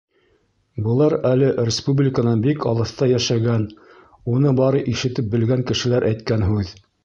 Былар әле республиканан бик алыҫта йәшәгән, уны бары ишетеп белгән кешеләр әйткән һүҙ.